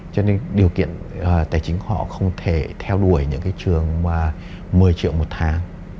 cho nên điều kiện tài chính họ không thể theo đuổi những cái trường mà một mươi triệu một tháng